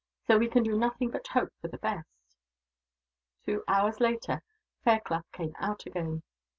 So we can do nothing but hope for the best." Two hours later, Fairclough came out again.